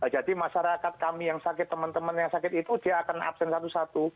jadi masyarakat kami yang sakit teman teman yang sakit itu dia akan absen satu satu